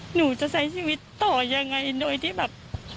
หนูจะใช้ชีวิตต่อยังไงโดยที่แบบ